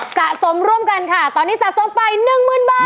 สะสมร่วมกันค่ะตอนนี้สะสมไปหนึ่งหมื่นบาท